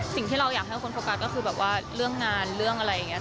สิ่งที่เราอยากให้คนโฟกัสก็คือแบบว่าเรื่องงานเรื่องอะไรอย่างนี้